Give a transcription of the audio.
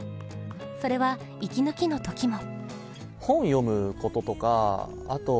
それは息抜きのときも。